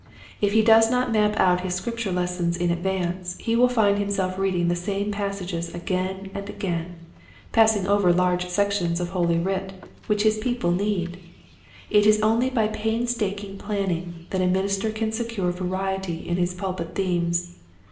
If he does not map out his scripture lessons in advance he will find himself reading the same passages again and again, passing over large sections of Holy Writ which his people need. It is only by painstaking planning that a minis ter can secure variety in his pulpit themes.